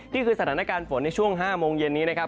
นี่คือสถานการณ์ฝนในช่วง๕โมงเย็นนี้นะครับ